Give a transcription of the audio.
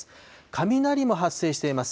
雷も発生しています。